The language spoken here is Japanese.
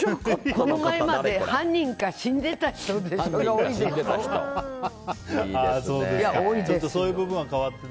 この前まで、犯人か死んでいた人でしょって。